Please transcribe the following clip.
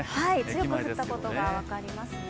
強く降ったことが分かりますね。